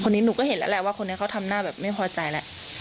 หนูก็เห็นแล้วแหละว่าคนนี้เขาทำหน้าแบบไม่พอใจแหละ